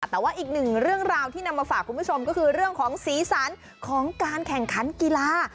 แต่ว่าอีกหนึ่งเรื่องราวที่นำมาฝากคุณผู้ชมก็คือเรื่องของสีสันของการแข่งขันกีฬา